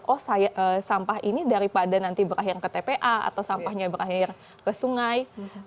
oh sampah ini daripada nanti berakhir ke tpa atau sampahnya berakhir ke sungai